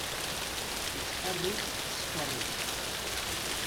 Tettḥerrik ssker-is.